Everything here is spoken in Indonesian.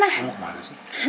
saya mau kemana sih